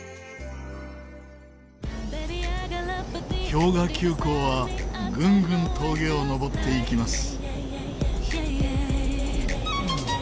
氷河急行はぐんぐん峠を上っていきます。